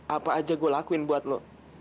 apa aja gue lakuin buat lo